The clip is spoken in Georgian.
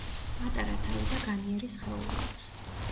პატარა თავი და განიერი სხეული აქვს.